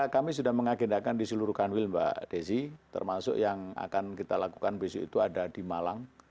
kami sudah mengagendakan di seluruh kanwil mbak desi termasuk yang akan kita lakukan besok itu ada di malang